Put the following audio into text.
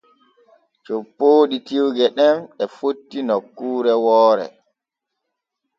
Coppooɗi tiwge ɗen e fotti nokkuure woore.